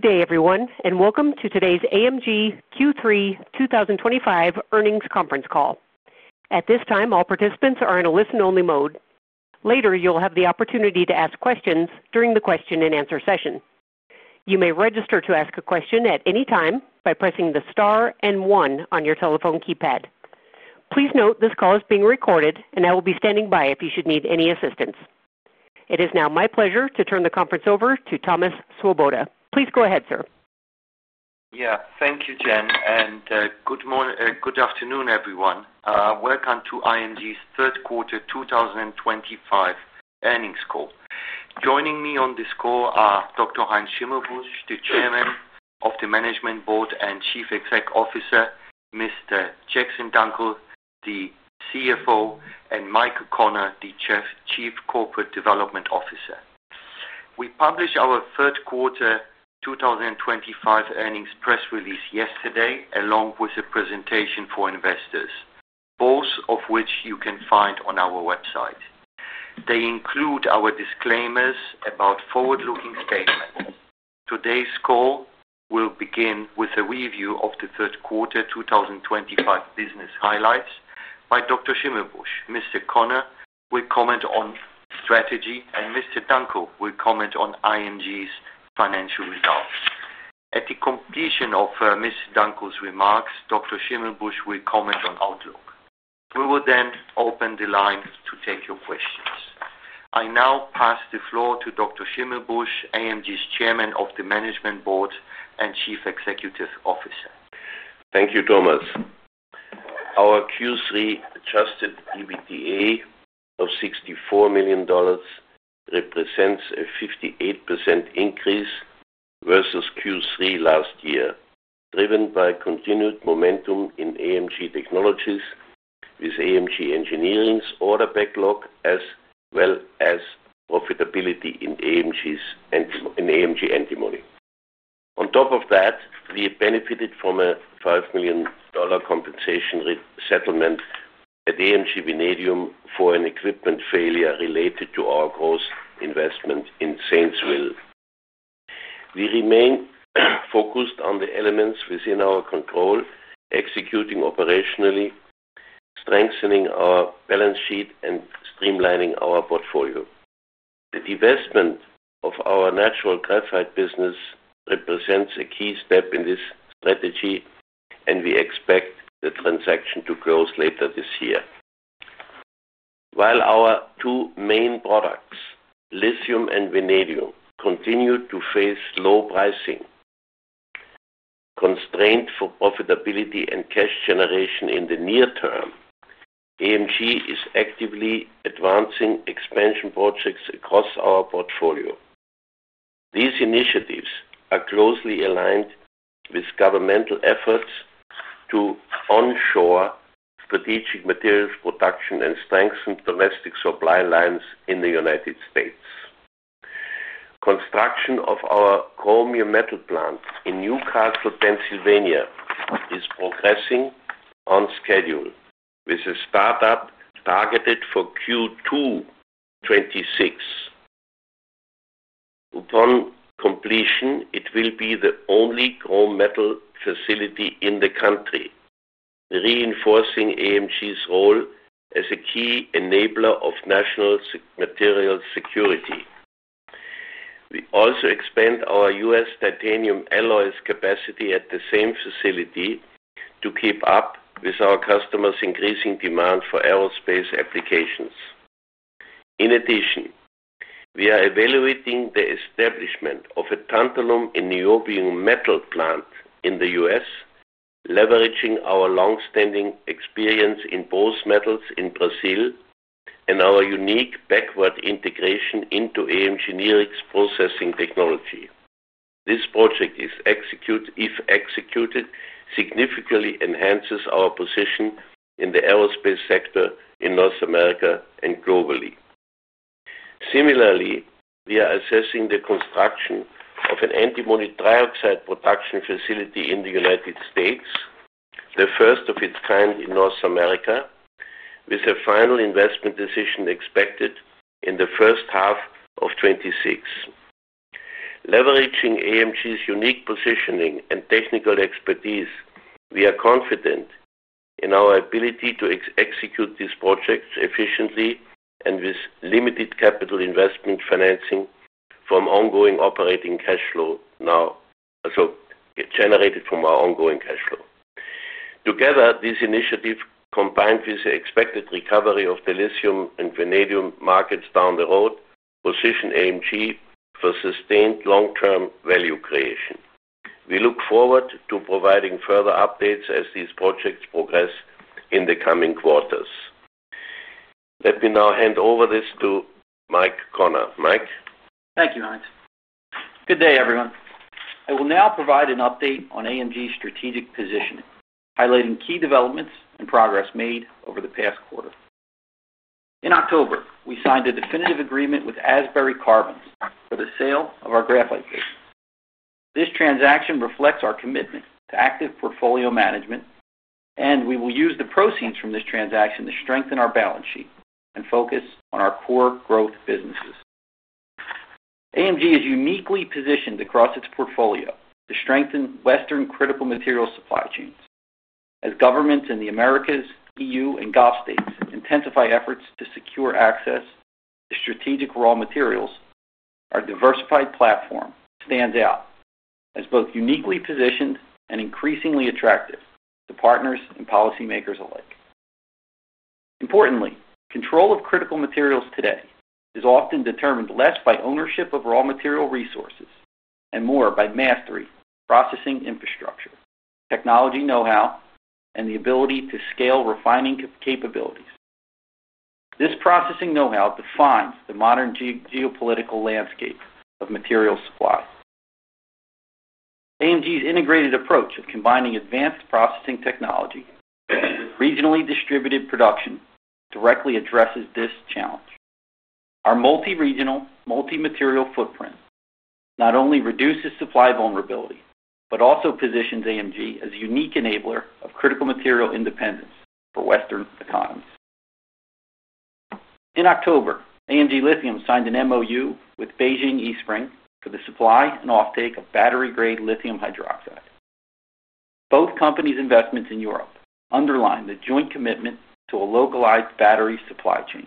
Good day, everyone, and welcome to today's AMG Q3 2025 Earnings Conference call. At this time, all participants are in a listen-only mode. Later, you'll have the opportunity to ask questions during the question-and-answer session. You may register to ask a question at any time by pressing the star and one on your telephone keypad. Please note this call is being recorded, and I will be standing by if you should need any assistance. It is now my pleasure to turn the conference over to Thomas Swoboda. Please go ahead, sir. Yeah. Thank you, Jen, and good afternoon, everyone. Welcome to IMG's third quarter 2025 earnings call. Joining me on this call are Dr. Heinz Schimmelbusch, the chairman of the management board and chief exec officer, Mr. Jackson Dunckel, the CFO, and Michael Connor, the chief corporate development officer. We published our third quarter 2025 earnings press release yesterday, along with a presentation for investors, both of which you can find on our website. They include our disclaimers about forward-looking statements. Today's call will begin with a review of the third quarter 2025 business highlights by Dr. Schimmelbusch. Mr. Connor will comment on strategy, and Mr. Dunckel will comment on IMG's financial results. At the completion of Mr. Dunckel's remarks, Dr. Schimmelbusch will comment on outlook. We will then open the line to take your questions. I now pass the floor to Dr. Schimmelbusch, AMG's chairman of the management board and chief executive officer. Thank you, Thomas. Our Q3 adjusted EBITDA of $64 million. Represents a 58% increase versus Q3 last year, driven by continued momentum in AMG technologies with AMG Engineering's order backlog, as well as profitability in AMG. Antimony. On top of that, we benefited from a $5 million compensation settlement at AMG Venedum for an equipment failure related to our gross investment in Sainsville. We remain focused on the elements within our control, executing operationally, strengthening our balance sheet, and streamlining our portfolio. The divestment of our natural graphite business. Represents a key step in this strategy, and we expect the transaction to close later this year. While our two main products, lithium and venedium, continue to face low pricing. Constraints for profitability and cash generation in the near term, AMG is actively advancing expansion projects across our portfolio. These initiatives are closely aligned with governmental efforts to. Onshore strategic materials production and strengthen domestic supply lines in the United States. Construction of our chromium metal plant in Newcastle, Pennsylvania, is progressing on schedule with a startup targeted for Q2. '26. Upon completion, it will be the only chrome metal facility in the country, reinforcing AMG's role as a key enabler of national. Material security. We also expand our US titanium alloys capacity at the same facility to keep up with our customers' increasing demand for aerospace applications. In addition. We are evaluating the establishment of a tantalum and niobium metal plant in the US, leveraging our long-standing experience in both metals in Brazil and our unique backward integration into AMG Nerix processing technology. This project, if executed, significantly enhances our position in the aerospace sector in North America and globally. Similarly, we are assessing the construction of an antimony dioxide production facility in the United States, the first of its kind in North America, with a final investment decision expected in the first half of '26. Leveraging AMG's unique positioning and technical expertise, we are confident in our ability to execute these projects efficiently and with limited capital investment financing from ongoing operating cash flow now. Generated from our ongoing cash flow. Together, this initiative, combined with the expected recovery of the lithium and venedium markets down the road, positions AMG for sustained long-term value creation. We look forward to providing further updates as these projects progress in the coming quarters. Let me now hand over this to Mike Connor. Mike. Thank you, Heinz. Good day, everyone. I will now provide an update on AMG's strategic position, highlighting key developments and progress made over the past quarter. In October, we signed a definitive agreement with Asbury Carbons for the sale of our graphite business. This transaction reflects our commitment to active portfolio management, and we will use the proceeds from this transaction to strengthen our balance sheet and focus on our core growth businesses. AMG is uniquely positioned across its portfolio to strengthen Western critical materials supply chains. As governments in the Americas, EU, and GOP states intensify efforts to secure access to strategic raw materials, our diversified platform stands out as both uniquely positioned and increasingly attractive to partners and policymakers alike. Importantly, control of critical materials today is often determined less by ownership of raw material resources and more by mastery in processing infrastructure, technology know-how, and the ability to scale refining capabilities. This processing know-how defines the modern geopolitical landscape of materials supply. AMG's integrated approach of combining advanced processing technology with regionally distributed production directly addresses this challenge. Our multi-regional, multi-material footprint not only reduces supply vulnerability but also positions AMG as a unique enabler of critical material independence for Western economies. In October, AMG Lithium signed an MOU with Beijing East Spring for the supply and offtake of battery-grade lithium hydroxide. Both companies' investments in Europe underline the joint commitment to a localized battery supply chain.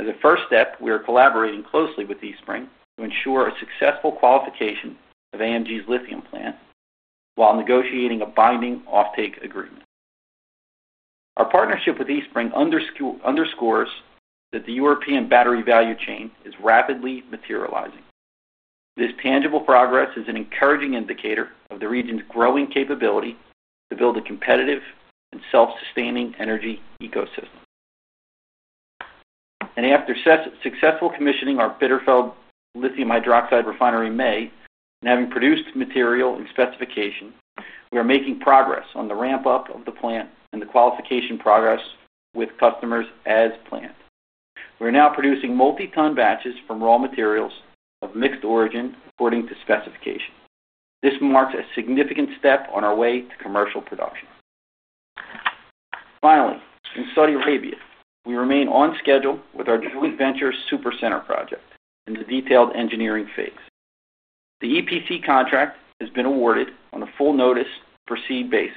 As a first step, we are collaborating closely with East Spring to ensure a successful qualification of AMG's lithium plant while negotiating a binding offtake agreement. Our partnership with East Spring underscores that the European battery value chain is rapidly materializing. This tangible progress is an encouraging indicator of the region's growing capability to build a competitive and self-sustaining energy ecosystem. And after successful commissioning our Bitterfeld lithium hydroxide refinery in May and having produced material and specification, we are making progress on the ramp-up of the plant and the qualification progress with customers as planned. We are now producing multi-ton batches from raw materials of mixed origin according to specification. This marks a significant step on our way to commercial production. Finally, in Saudi Arabia, we remain on schedule with our joint venture Super Center project and the detailed engineering phase. The EPC contract has been awarded on a full-notice proceed basis,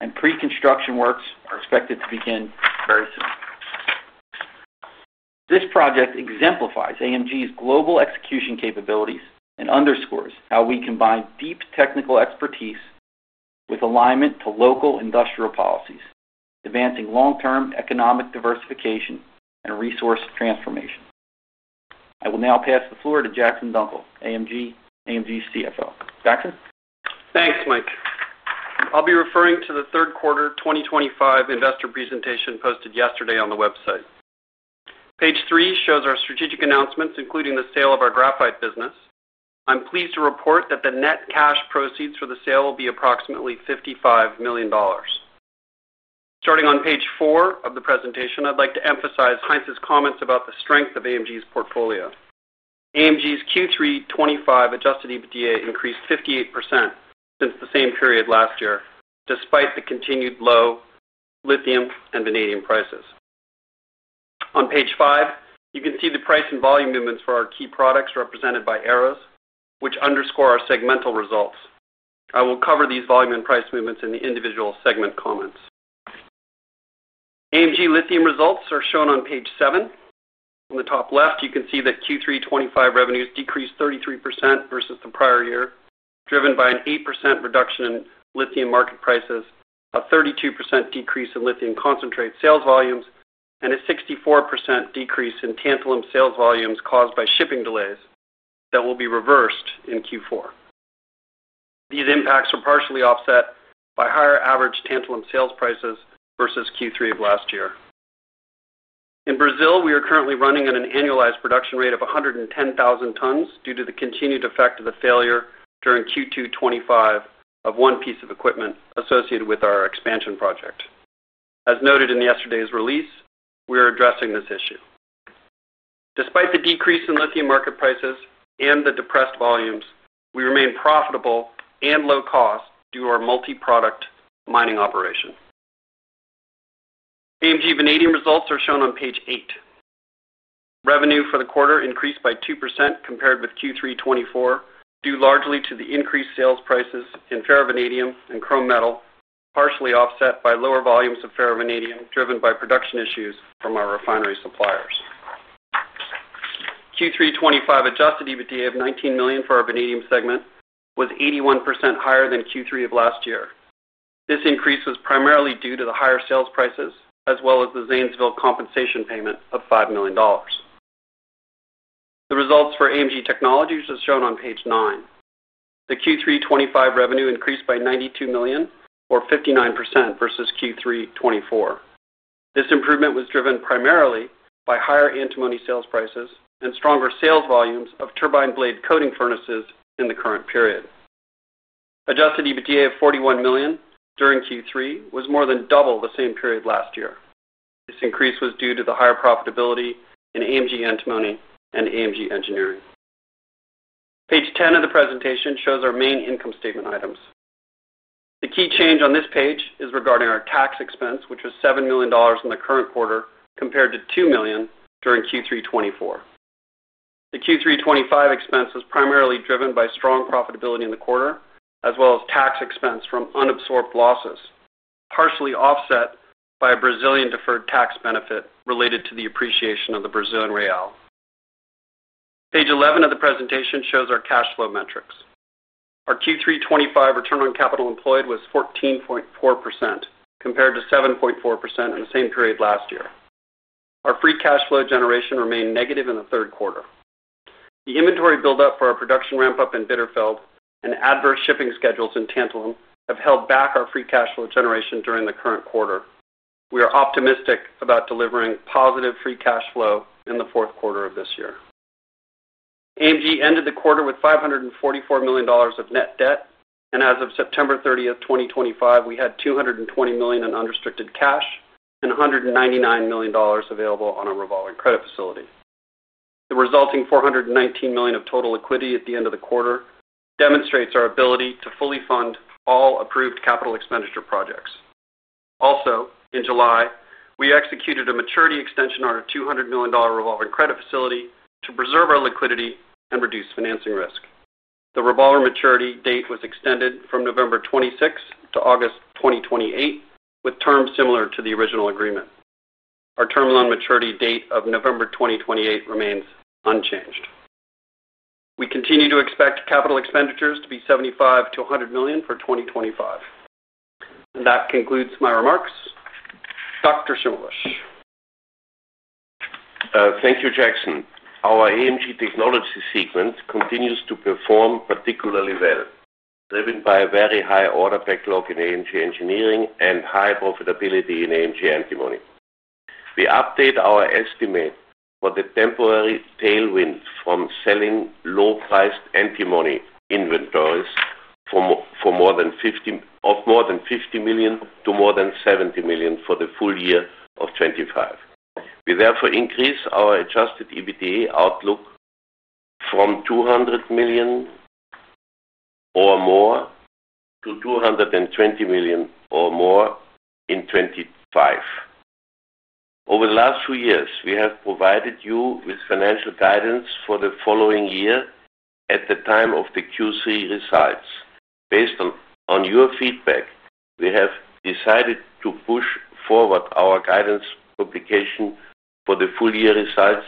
and pre-construction works are expected to begin very soon. This project exemplifies AMG's global execution capabilities and underscores how we combine deep technical expertise with alignment to local industrial policies, advancing long-term economic diversification and resource transformation. I will now pass the floor to Jackson Dunckel, AMG CFO. Jackson? Thanks, Mike. I'll be referring to the third quarter 2025 investor presentation posted yesterday on the website. Page three shows our strategic announcements, including the sale of our graphite business. I'm pleased to report that the net cash proceeds for the sale will be approximately $55 million. Starting on page four of the presentation, I'd like to emphasize Heinz's comments about the strength of AMG's portfolio. AMG's Q3 '25 adjusted EBITDA increased 58% since the same period last year, despite the continued low lithium and venedium prices. On page five, you can see the price and volume movements for our key products represented by arrows, which underscore our segmental results. I will cover these volume and price movements in the individual segment comments. AMG lithium results are shown on page seven. On the top left, you can see that Q3 '25 revenues decreased 33% versus the prior year, driven by an 8% reduction in lithium market prices, a 32% decrease in lithium concentrate sales volumes, and a 64% decrease in tantalum sales volumes caused by shipping delays that will be reversed in Q4. These impacts are partially offset by higher average tantalum sales prices versus Q3 of last year. In Brazil, we are currently running on an annualized production rate of 110,000 tons due to the continued effect of the failure during Q2 '25 of one piece of equipment associated with our expansion project. As noted in yesterday's release, we are addressing this issue. Despite the decrease in lithium market prices and the depressed volumes, we remain profitable and low-cost due to our multi-product mining operation. AMG venedium results are shown on page eight. Revenue for the quarter increased by 2% compared with Q3 '24 due largely to the increased sales prices in ferrovenedium and chrome metal, partially offset by lower volumes of ferrovenedium driven by production issues from our refinery suppliers. Q3 '25 adjusted EBITDA of $19 million for our venedium segment was 81% higher than Q3 of last year. This increase was primarily due to the higher sales prices as well as the Sainsville compensation payment of $5 million. The results for AMG Technologies are shown on page nine. The Q3 '25 revenue increased by $92 million, or 59%, versus Q3 '24. This improvement was driven primarily by higher antimony sales prices and stronger sales volumes of turbine blade coating furnaces in the current period. Adjusted EBITDA of $41 million during Q3 was more than double the same period last year. This increase was due to the higher profitability in AMG antimony and AMG engineering. Page 10 of the presentation shows our main income statement items. The key change on this page is regarding our tax expense, which was $7 million in the current quarter compared to $2 million during Q3 '24. The Q3 '25 expense was primarily driven by strong profitability in the quarter as well as tax expense from unabsorbed losses, partially offset by a Brazilian deferred tax benefit related to the appreciation of the Brazilian real. Page 11 of the presentation shows our cash flow metrics. Our Q3 '25 return on capital employed was 14.4% compared to 7.4% in the same period last year. Our free cash flow generation remained negative in the third quarter. The inventory build-up for our production ramp-up in Bitterfeld and adverse shipping schedules in tantalum have held back our free cash flow generation during the current quarter. We are optimistic about delivering positive free cash flow in the fourth quarter of this year. AMG ended the quarter with $544 million of net debt, and as of September 30, 2025, we had $220 million in unrestricted cash and $199 million available on our revolving credit facility. The resulting $419 million of total liquidity at the end of the quarter demonstrates our ability to fully fund all approved capital expenditure projects. Also, in July, we executed a maturity extension on our $200 million revolving credit facility to preserve our liquidity and reduce financing risk. The revolving maturity date was extended from November 26 to August 2028, with terms similar to the original agreement. Our terminal maturity date of November 2028 remains unchanged. We continue to expect capital expenditures to be $75-$100 million for 2025. And that concludes my remarks. Dr. Schimmelbusch. Thank you, Jackson. Our AMG technology segment continues to perform particularly well, driven by a very high order backlog in AMG engineering and high profitability in AMG antimony. We update our estimate for the temporary tailwind from selling low-priced antimony inventories of more than $50 million to more than $70 million for the full year of '25. We therefore increase our adjusted EBITDA outlook. From $200 million. Or more. To $220 million or more in '25. Over the last few years, we have provided you with financial guidance for the following year at the time of the Q3 results. Based on your feedback, we have decided to push forward our guidance publication for the full-year results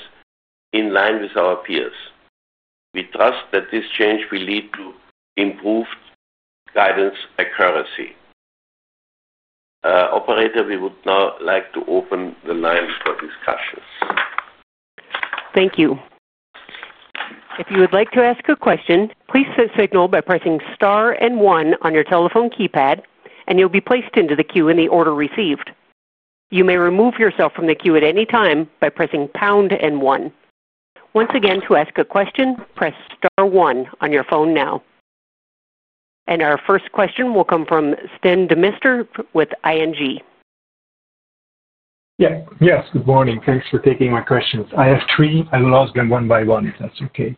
in line with our peers. We trust that this change will lead to improved guidance accuracy. Operator, we would now like to open the line for discussion. Thank you. If you would like to ask a question, please set signal by pressing star and one on your telephone keypad, and you'll be placed into the queue in the order received. You may remove yourself from the queue at any time by pressing pound and one. Once again, to ask a question, press star one on your phone now. And our first question will come from Stan DeMister with ING. Yes. Yes. Good morning. Thanks for taking my questions. I have three. I'll ask them one by one if that's okay.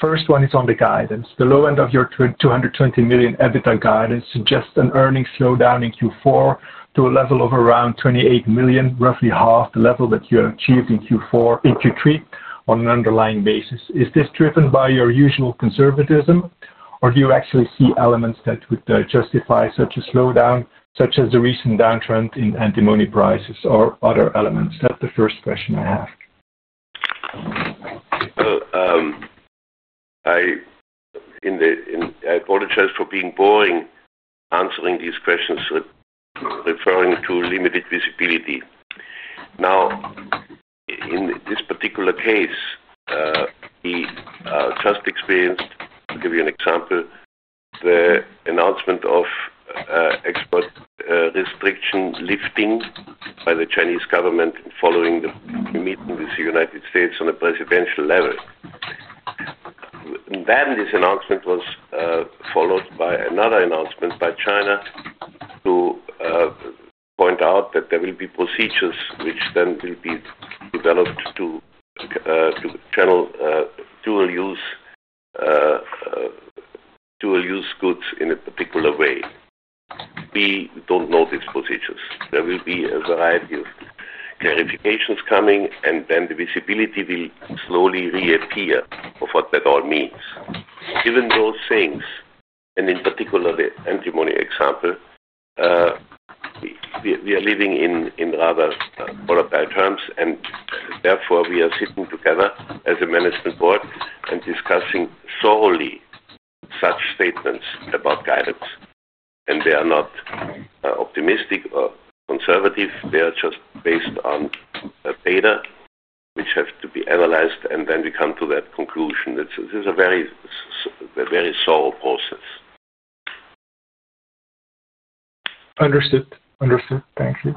First one is on the guidance. The low end of your $220 million EBITDA guidance suggests an earnings slowdown in Q4 to a level of around $28 million, roughly half the level that you achieved in Q3 on an underlying basis. Is this driven by your usual conservatism, or do you actually see elements that would justify such a slowdown, such as the recent downtrend in antimony prices or other elements? That's the first question I have. Well. I apologize for being boring answering these questions. Referring to limited visibility. Now. In this particular case. We just experienced, to give you an example. The announcement of. Export restriction lifting by the Chinese government following the meeting with the United States on a presidential level. Then this announcement was. Followed by another announcement by China. To. Point out that there will be procedures which then will be developed to. Channel dual-use. Goods in a particular way. We don't know these procedures. There will be a variety of clarifications coming, and then the visibility will slowly reappear of what that all means. Given those things, and in particular the antimony example. We are living in rather qualified terms, and therefore we are sitting together as a management board and discussing solely such statements about guidance. And they are not optimistic or conservative. They are just based on. Data, which has to be analyzed, and then we come to that conclusion. This is a very. Solid process. Understood. Understood. Thank you.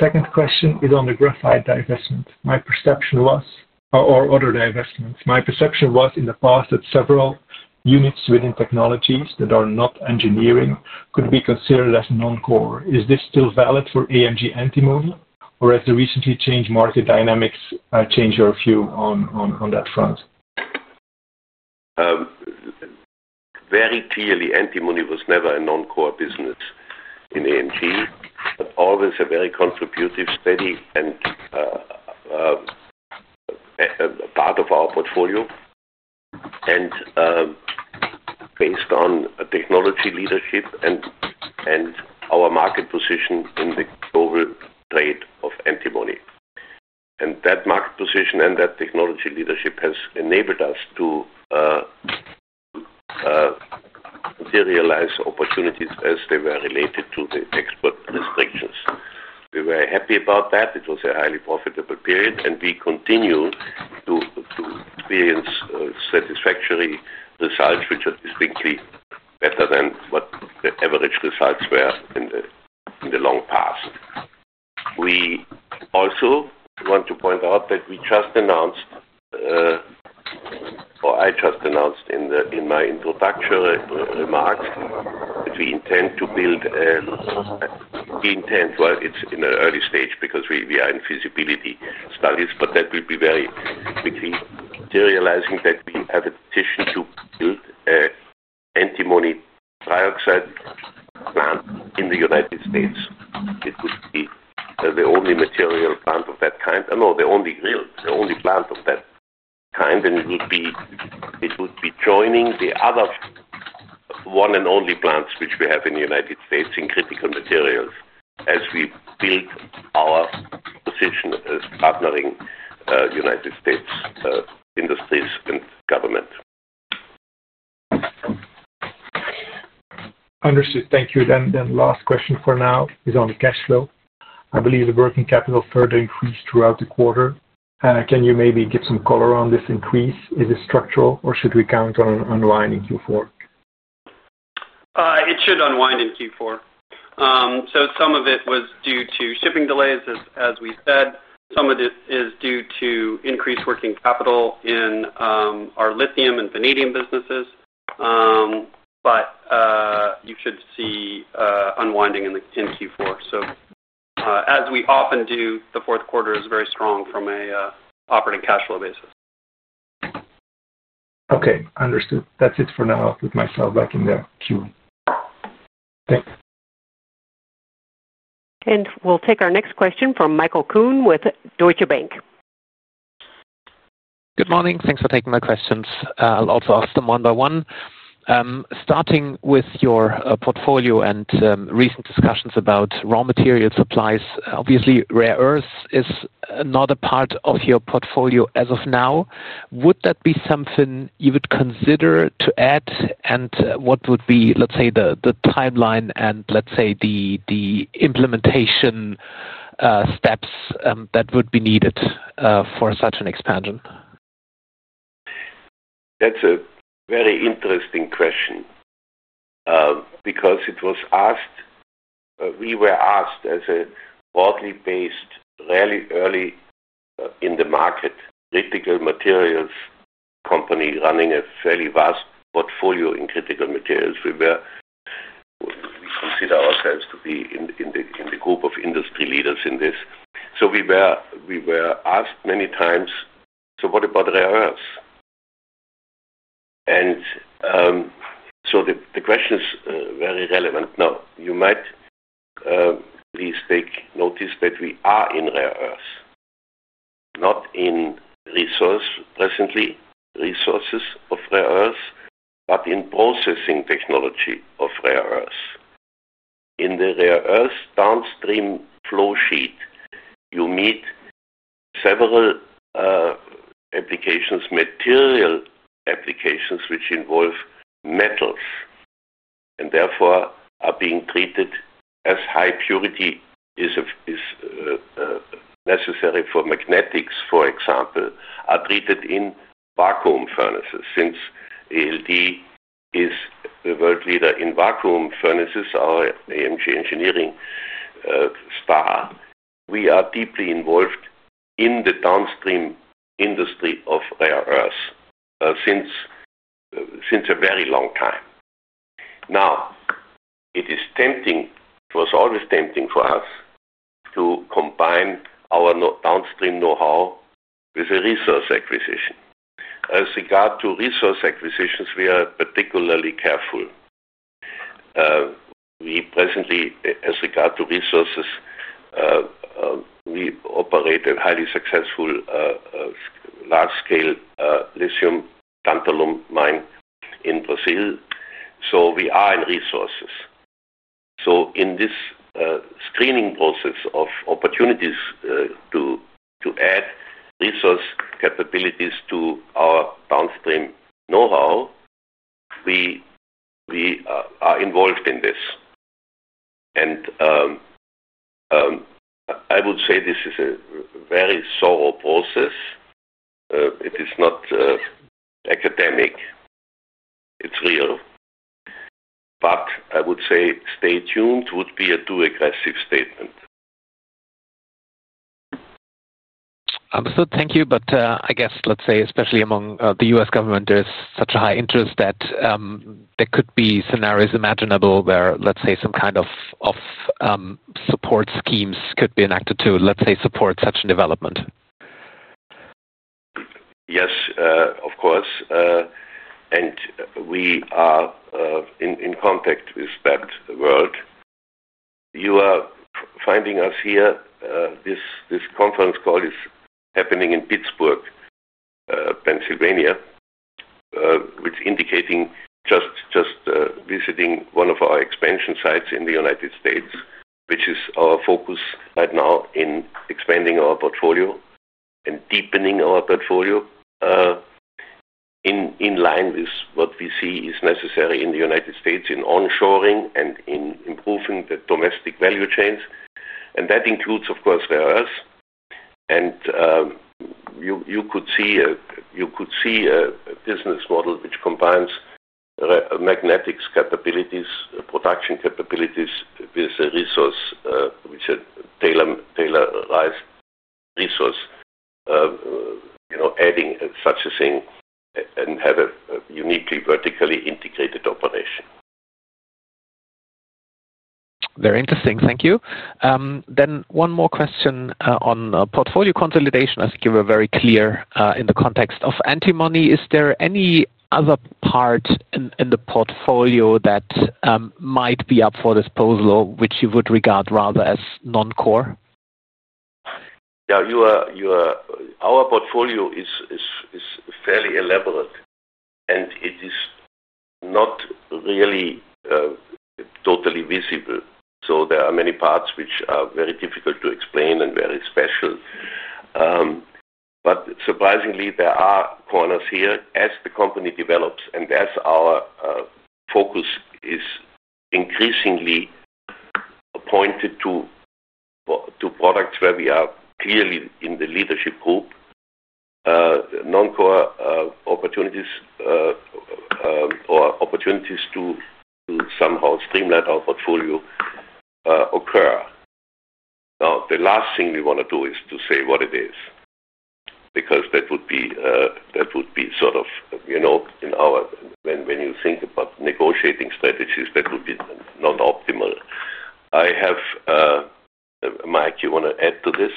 Second question is on the graphite divestment. My perception was, or other divestments. My perception was in the past that several units within technologies that are not engineering could be considered as non-core. Is this still valid for AMG antimony, or has the recently changed market dynamics changed your view on that front? Very clearly, antimony was never a non-core business. In AMG, but always a very contributive steady and. Part of our portfolio. And. Based on technology leadership and. Our market position in the global trade of antimony. And that market position and that technology leadership has enabled us to. Materialize opportunities as they were related to the export restrictions. We were happy about that. It was a highly profitable period, and we continue to. Experience satisfactory results, which are distinctly better than what the average results were in the long past. We also want to point out that we just announced. Or I just announced in my introductory remarks, that we intend to build a. We intend, well, it's in an early stage because we are in feasibility studies, but that will be very quickly materializing that we have a decision to build. An antimony dioxide plant in the United States. It would be the only material plant of that kind, no, the only plant of that kind, and it would be. Joining the other. One and only plants which we have in the United States in critical materials as we build our position as partnering United States. Industries and government. Understood. Thank you. Then last question for now is on the cash flow. I believe the working capital further increased throughout the quarter. Can you maybe give some color on this increase? Is it structural, or should we count on unwind in Q4? It should unwind in Q4. So some of it was due to shipping delays, as we said. Some of it is due to increased working capital in our lithium and venedium businesses. But. You should see unwinding in Q4. So. As we often do, the fourth quarter is very strong from an operating cash flow basis. Okay. Understood. That's it for now with my fallback in the Q. Thanks. And we'll take our next question from Michael Kuhn with Deutsche Bank. Good morning. Thanks for taking my questions. I'll also ask them one by one. Starting with your portfolio and recent discussions about raw material supplies, obviously, rare earths is not a part of your portfolio as of now. Would that be something you would consider to add, and what would be, let's say, the timeline and, let's say, the implementation. Steps that would be needed for such an expansion? That's a very interesting question. Because it was asked. We were asked as a broadly based, really early. In the market, critical materials company running a fairly vast portfolio in critical materials. We were. We consider ourselves to be in the group of industry leaders in this. So we were asked many times, "So what about rare earths?" And. So the question is very relevant. Now, you might. At least take notice that we are in rare earths. Not in. Resources of rare earths, but in processing technology of rare earths. In the rare earth downstream flow sheet, you meet. Several. Material applications which involve metals. And therefore are being treated as high purity is. Necessary for magnetics, for example, are treated in vacuum furnaces. Since ALD is the world leader in vacuum furnaces, our AMG engineering. Star, we are deeply involved in the downstream industry of rare earths since. A very long time. Now. It is tempting; it was always tempting for us to combine our downstream know-how with the resource acquisition. As regard to resource acquisitions, we are particularly careful. Presently, as regard to resources, we operate a highly successful. Large-scale lithium tantalum mine in Brazil. So we are in resources. So in this screening process of opportunities to. Add resource capabilities to our downstream know-how. We. Are involved in this. And. I would say this is a very thorough process. It is not. Academic. It's real. But I would say, "Stay tuned," would be a too aggressive statement. Absolutely. Thank you. But I guess, let's say, especially among the US government, there is such a high interest that. There could be scenarios imaginable where, let's say, some kind of. Support schemes could be enacted to, let's say, support such a development. Yes, of course. And we are. In contact with that world. You are finding us here. This conference call is happening in Pittsburgh. Pennsylvania. Which is indicating just visiting one of our expansion sites in the United States, which is our focus right now in expanding our portfolio and deepening our portfolio. In line with what we see is necessary in the United States in onshoring and in improving the domestic value chains. And that includes, of course, rare earths. And. You could see. A business model which combines. Magnetics capabilities, production capabilities with a resource which is a tailorized resource. Adding such a thing and have a uniquely vertically integrated operation. Very interesting. Thank you. Then one more question on portfolio consolidation. I think you were very clear in the context of antimony. Is there any other part in the portfolio that. Might be up for this posal, which you would regard rather as non-core? Yeah. Our portfolio is fairly elaborate, and it is not really. Totally visible. So there are many parts which are very difficult to explain and very special. But surprisingly, there are corners here as the company develops and as our focus is increasingly. Appointed to. Products where we are clearly in the leadership group. Non-core opportunities. Or opportunities to. Somehow streamline our portfolio. Occur. Now, the last thing we want to do is to say what it is. Because that would be. Sort of. In our when you think about negotiating strategies, that would be not optimal. I have. Mike, you want to add to this?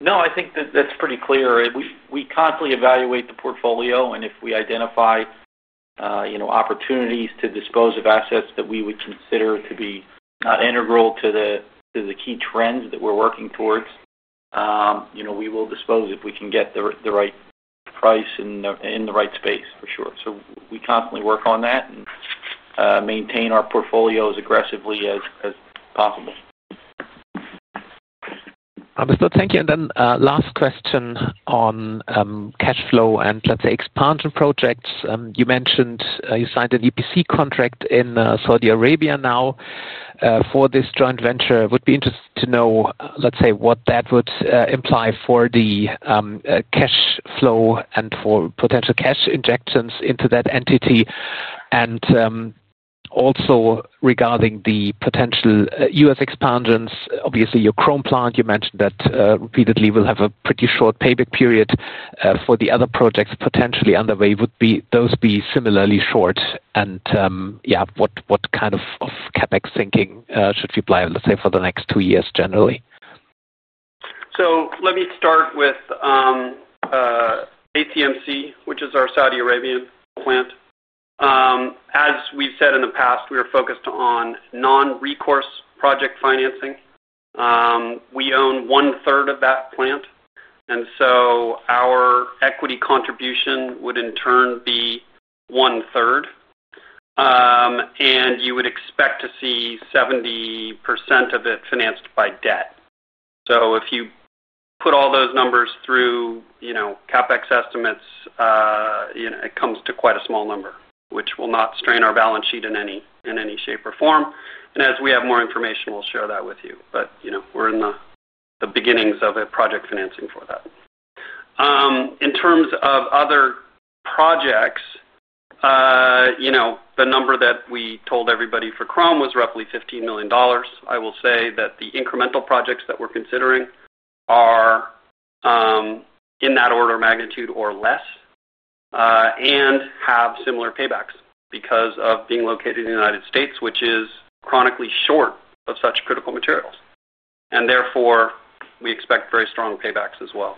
No, I think that's pretty clear. We constantly evaluate the portfolio, and if we identify. Opportunities to dispose of assets that we would consider to be integral to the key trends that we're working towards, we will dispose if we can get the right price in the right space, for sure. So we constantly work on that and. Maintain our portfolios aggressively as possible. Understood. Thank you. And then last question on. Cash flow and, let's say, expansion projects. You mentioned you signed an EPC contract in Saudi Arabia now. For this joint venture. I would be interested to know, let's say, what that would imply for the. Cash flow and for potential cash injections into that entity. And. Also regarding the potential US expansions, obviously, your Chrome plant, you mentioned that repeatedly will have a pretty short payback period for the other projects potentially underway. Would those be similarly short? And yeah, what kind of CapEx thinking should we apply, let's say, for the next two years generally? So let me start with. ACMC, which is our Saudi Arabian plant. As we've said in the past, we are focused on non-recourse project financing. We own one-third of that plant, and so our equity contribution would, in turn, be one-third. And you would expect to see 70% of it financed by debt. So if you put all those numbers through. CapEx estimates. It comes to quite a small number, which will not strain our balance sheet in any shape or form. And as we have more information, we'll share that with you. But we're in the beginnings of a project financing for that. In terms of other projects. The number that we told everybody for Chrome was roughly $15 million. I will say that the incremental projects that we're considering are. In that order of magnitude or less. And have similar paybacks because of being located in the United States, which is chronically short of such critical materials. And therefore, we expect very strong paybacks as well.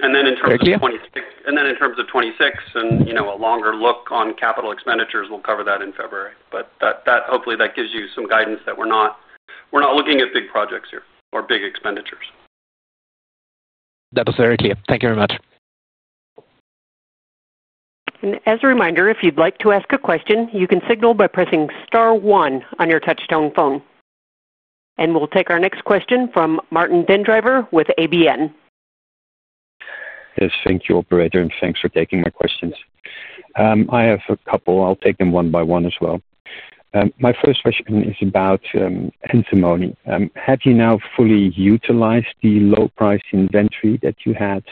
And then in terms of. Thank you. And then in terms of '26 and a longer look on capital expenditures, we'll cover that in February. But hopefully, that gives you some guidance that we're not. Looking at big projects here or big expenditures. That was very clear. Thank you very much. And as a reminder, if you'd like to ask a question, you can signal by pressing star one on your touchdown phone. And we'll take our next question from Martin Dendriver with ABN. Yes. Thank you, operator, and thanks for taking my questions. I have a couple. I'll take them one by one as well. My first question is about. Antimony. Have you now fully utilized the low-priced inventory that you had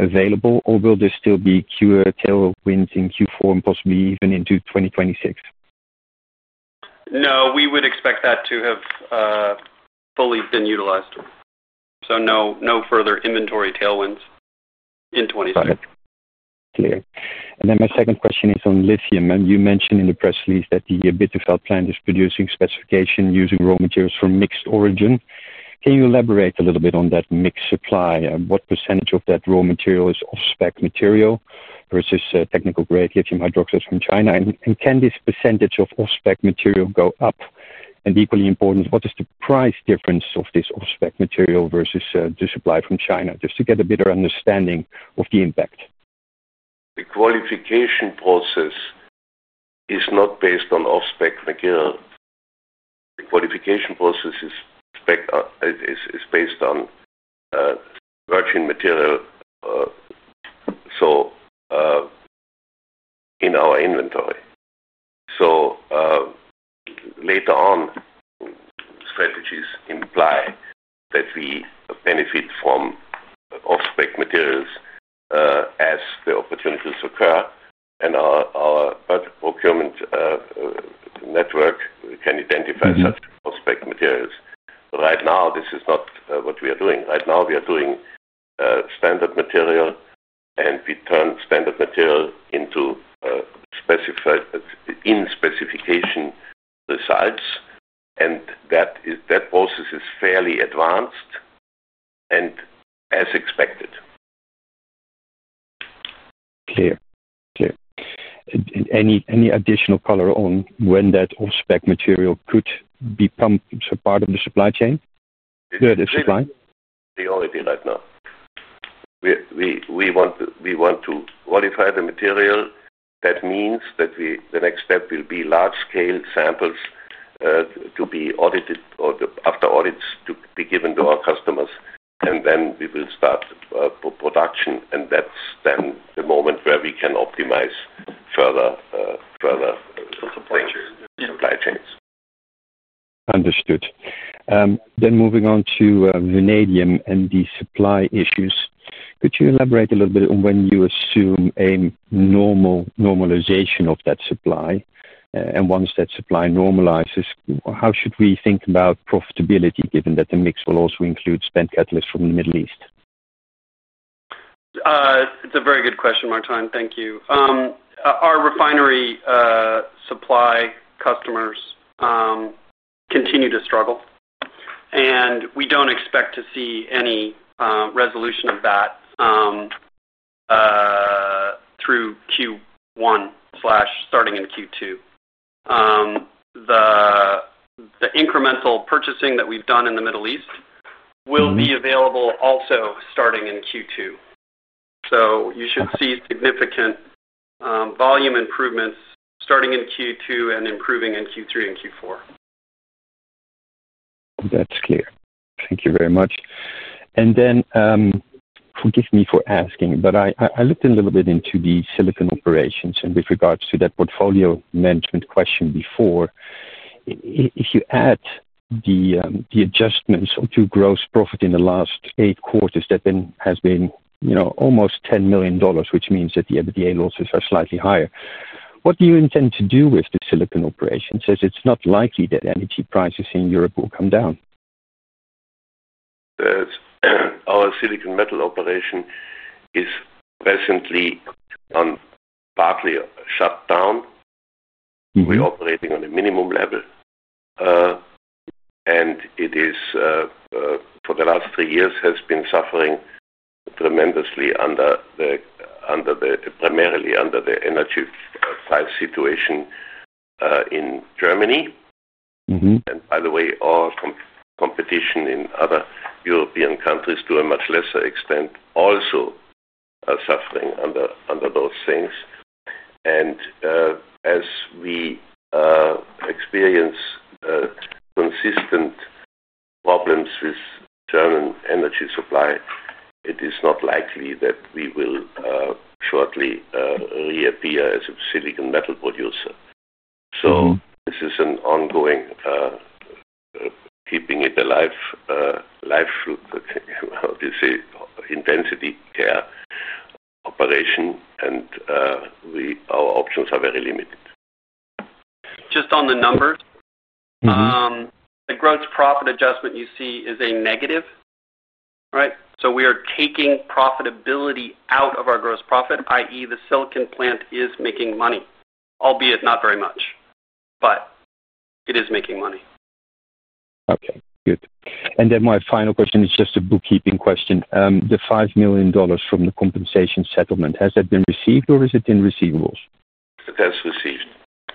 available, or will there still be Q1 tailwinds in Q4 and possibly even into 2026? No, we would expect that to have. Fully been utilized. So no further inventory tailwinds in '26. Got it. Clear. And then my second question is on lithium. You mentioned in the press release that the Bitterfeld plant is producing specification using raw materials from mixed origin. Can you elaborate a little bit on that mixed supply? What percentage of that raw material is off-spec material versus technical grade lithium hydroxide from China? And can this percentage of off-spec material go up? And equally important, what is the price difference of this off-spec material versus the supply from China? Just to get a better understanding of the impact. The qualification process. Is not based on off-spec material. The qualification process is. Based on. Virgin material. In our inventory. So. Later on. Strategies imply that we benefit from. Off-spec materials. As the opportunities occur, and our project procurement. Network can identify such off-spec materials. But right now, this is not what we are doing. Right now, we are doing. Standard material, and we turn standard material into. In-specification results. And that process is fairly advanced. And as expected. Clear. Clear. Any additional color on when that off-spec material could become part of the supply chain? The supply? Priority right now. We want to qualify the material. That means that the next step will be large-scale samples. To be audited or after audits to be given to our customers. And then we will start. Production. And that's then the moment where we can optimize further. Supply chains. Understood. Then moving on to vanadium and the supply issues. Could you elaborate a little bit on when you assume a normalization of that supply? And once that supply normalizes, how should we think about profitability given that the mix will also include spent catalysts from the Middle East? It's a very good question, Martin. Thank you. Our refinery. Supply customers. Continue to struggle. And we don't expect to see any resolution of that. Through Q1/starting in Q2. The. Incremental purchasing that we've done in the Middle East will be available also starting in Q2. So you should see significant. Volume improvements starting in Q2 and improving in Q3 and Q4. That's clear. Thank you very much. And then. Forgive me for asking, but I looked a little bit into the silicon operations and with regards to that portfolio management question before. If you add the adjustments to gross profit in the last eight quarters, that then has been almost $10 million, which means that the MDA losses are slightly higher. What do you intend to do with the silicon operations as it's not likely that energy prices in Europe will come down? Our silicon metal operation is presently. Partly shut down. We're operating on a minimum level. And it is. For the last three years, has been suffering tremendously. Primarily under the energy price situation. In Germany. And by the way, our competition in other European countries to a much lesser extent also. Are suffering under those things. And. As we. Experience. Consistent. Problems with German energy supply, it is not likely that we will. Shortly. Reappear as a silicon metal producer. So this is an ongoing. Keeping it alive. Intensity care. Operation, and. Our options are very limited. Just on the numbers. The gross profit adjustment you see is a negative, right? So we are taking profitability out of our gross profit, i.e., the silicon plant is making money, albeit not very much, but it is making money. Okay. Good. And then my final question is just a bookkeeping question. The $5 million from the compensation settlement, has that been received or is it in receivables? That's received.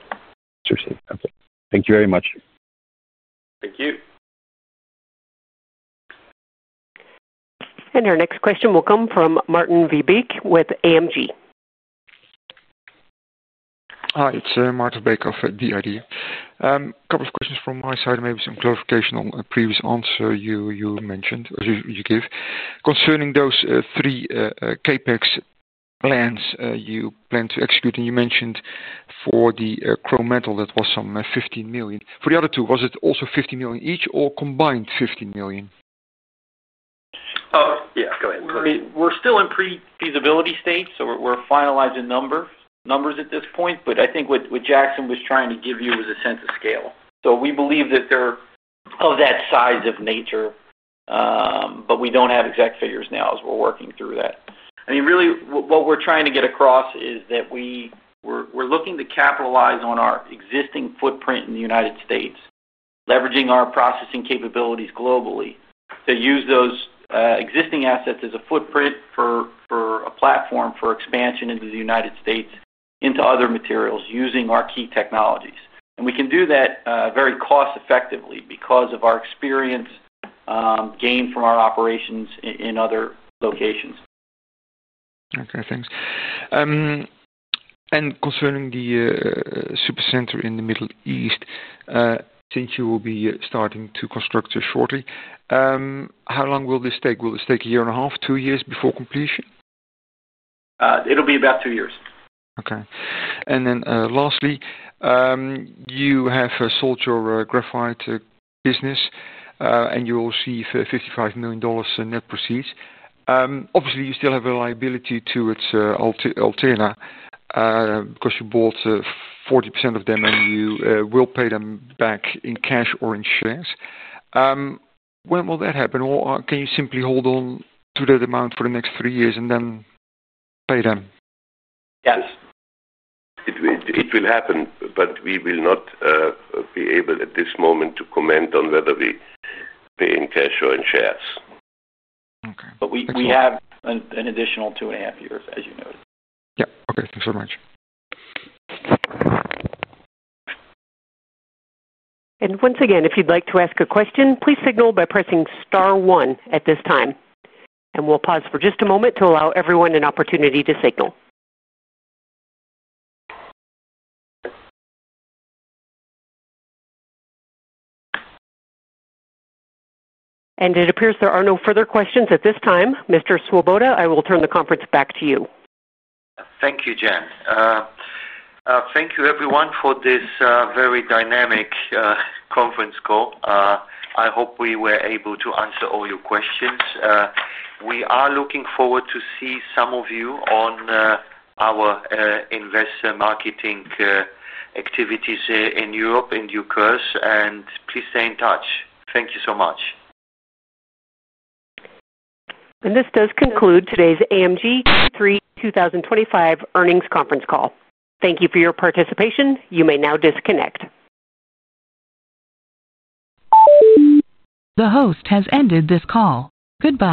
That's received. Okay. Thank you very much. Thank you. And our next question will come from Martin Vebeek with AMG. Hi. It's Martin Vebeek of DID. A couple of questions from my side, maybe some clarification on a previous answer you mentioned or you gave. Concerning those three CapEx plans you plan to execute, and you mentioned for the Chrome metal, that was some 15 million. For the other two, was it also 15 million each or combined 15 million? Oh, yeah. Go ahead. I mean, we're still in pre-feasibility state, so we're finalizing numbers at this point. But I think what Jackson was trying to give you was a sense of scale. So we believe that they're of that size of nature, but we don't have exact figures now as we're working through that. I mean, really, what we're trying to get across is that we're looking to capitalize on our existing footprint in the United States, leveraging our processing capabilities globally to use those existing assets as a footprint for a platform for expansion into the United States, into other materials using our key technologies. And we can do that very cost-effectively because of our experience. Gained from our operations in other locations. Okay. Thanks. And concerning the. Supercenter in the Middle East. Since you will be starting to construct it shortly. How long will this take? Will this take a year and a half, two years before completion? It'll be about two years. Okay. And then lastly. You have sold your graphite business. And you will receive $55 million net proceeds. Obviously, you still have a liability to Alterna. Because you bought 40% of them, and you will pay them back in cash or in shares. When will that happen? Or can you simply hold on to that amount for the next three years and then pay them? Yes. It will happen, but we will not. Be able at this moment to comment on whether we pay in cash or in shares. Okay. But we have an additional two and a half years, as you noted. Yeah. Okay. Thanks very much. And once again, if you'd like to ask a question, please signal by pressing star one at this time. And we'll pause for just a moment to allow everyone an opportunity to signal. And it appears there are no further questions at this time. Mr. Swoboda, I will turn the conference back to you. Thank you, Jan. Thank you, everyone, for this very dynamic conference call. I hope we were able to answer all your questions. We are looking forward to seeing some of you on. Our investor marketing. Activities in Europe and due course. And please stay in touch. Thank you so much. This does conclude today's AMG Q3 2025 earnings conference call. Thank you for your participation. You may now disconnect. The host has ended this call. Goodbye.